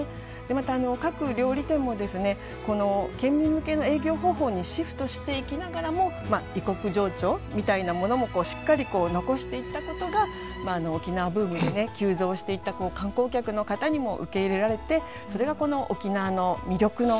また各料理店も県民向けの営業方法にシフトしていきながらも異国情緒みたいなものもしっかり残していったことが沖縄ブームで急増していった観光客の方にも受け入れられてそれがこの沖縄の魅力の一つになっていったのではないかと思いますね。